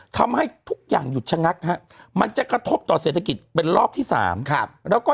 ไทยทุกอย่างหยุดชะงัดมันจะกระทบต่อเศรษฐกิจเป็นรอกที่สามครับแล้วก็